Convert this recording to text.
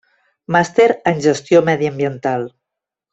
Màster en Gestió Mediambiental.